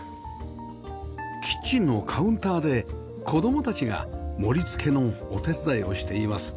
キッチンのカウンターで子供たちが盛り付けのお手伝いをしています